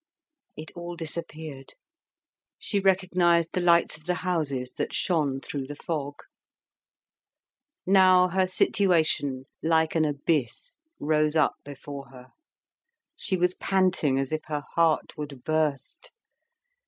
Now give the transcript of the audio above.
It all disappeared; she recognised the lights of the houses that shone through the fog. Now her situation, like an abyss, rose up before her. She was panting as if her heart would burst.